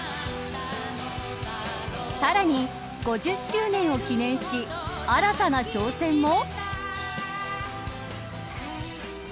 さらに５０周年を記念し新たな挑戦も。